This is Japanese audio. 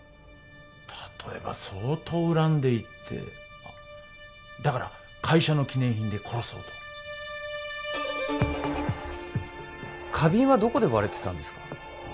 例えば相当恨んでいてだから会社の記念品で殺そうと花瓶はどこで割れてたんですか？